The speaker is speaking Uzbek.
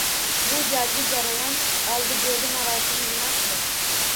Bu galgi jarayon oldi-berdi marosimi emasdi.